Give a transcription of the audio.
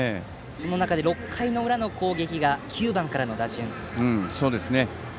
その中で６回の裏の攻撃が９番からの打順ですね。